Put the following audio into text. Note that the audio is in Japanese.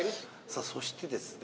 さあそしてですね